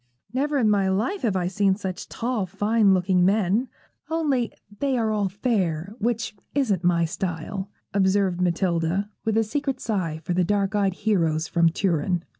'Never in my life have I seen such tall, fine looking men, only they are all fair, which isn't my style,' observed Matilda, with a secret sigh for the dark eyed heroes from Turin.